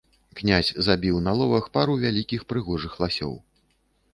Князь забіў на ловах пару вялікіх прыгожых ласёў.